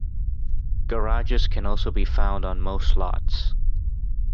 Garages can also be found on most lots.